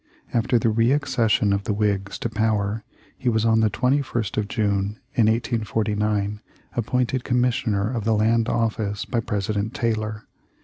After the re accession of the Whigs to power he was on the 21st of June in 184 9 appointed Commissioner of the Land Office by President Taylor.